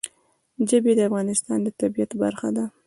ژبې د افغانستان د طبیعت برخه ده.